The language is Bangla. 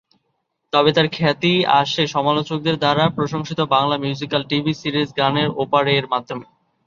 তবে তাঁর খ্যাতির আসে সমালোচকদের দ্বারা প্রশংসিত বাংলা মিউজিকাল টিভি সিরিজ গানের ওপারে-এর মাধ্যমে।